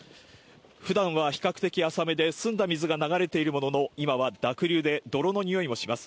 普段は比較的浅めですんだ水が流れているものの、今は濁流で泥のにおいもします。